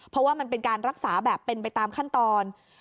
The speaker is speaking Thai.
เพราะว่ามันเป็นการรักษาแบบเป็นไปตามขั้นตอน